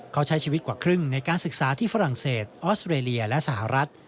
เขาใช้ชีวิตกว่าครึ่งในการศึกษาที่ฝรั่งเศสออสเตรเลียและสหรัฐ